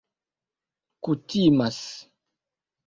kutimas